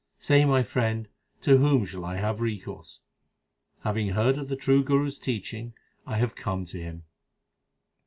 Say, my friend, to whom shall I have recourse ? Having heard of the true Guru s teaching I have come to him.